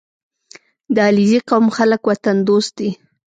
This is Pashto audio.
• د علیزي قوم خلک وطن دوست دي.